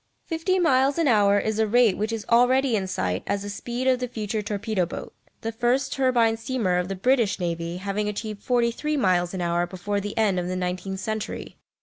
Fifty miles an hour is a rate which is already in sight as the speed of the future torpedo boat, the first turbine steamer of the British Navy having achieved forty three miles an hour before the end of the nineteenth century.